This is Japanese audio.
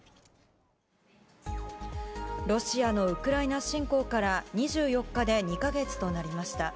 ロシアのウクライナ侵攻から、２４日で２か月となりました。